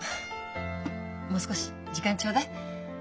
もう少し時間ちょうだい。